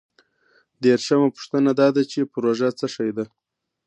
دیرشمه پوښتنه دا ده چې پروژه څه شی ده؟